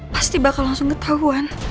pasti bakal langsung ketahuan